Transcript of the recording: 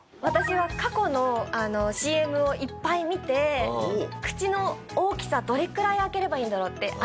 私は過去のＣＭをいっぱい見て口の大きさどれくらい開ければいいんだろうって。